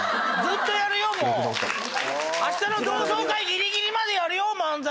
明日の同窓会ギリギリまでやるよ漫才。